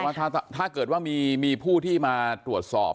เพราะว่าถ้าเกิดว่ามีผู้ที่มาตรวจสอบ